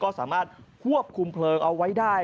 ก็สามารถควบคุมเพลิงเอาไว้ได้